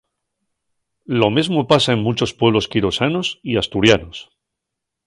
Lo mesmo pasa en munchos pueblos quirosanos y asturianos.